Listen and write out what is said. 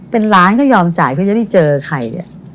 เป็นล้านก็ยอมจ่ายเพื่อจะได้เจอใคร